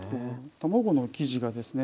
卵の生地がですね